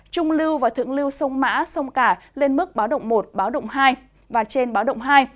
trung lưu và thượng lưu sông mã sông cả lên mức báo động một báo động hai và trên báo động hai